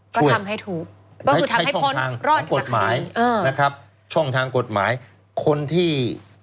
ก็ทำให้ถูกใช้ช่องทางกฎหมายเออนะครับช่องทางกฎหมายคนที่